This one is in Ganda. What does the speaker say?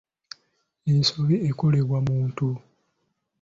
Ensobi ekolebwa muntu.